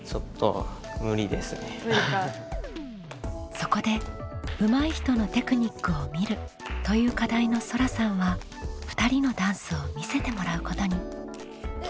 そこで「うまい人のテクニックを見る」という課題のそらさんは２人のダンスを見せてもらうことに。